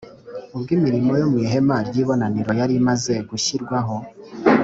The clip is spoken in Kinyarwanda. Ubwo imirimo yo mu ihema ry’ibonaniro yari imaze gushyirwaho